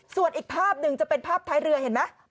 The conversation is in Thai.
ส่วนอีกภาพหนึ่งจะเป็นภาพท้ายเรือเห็นไหม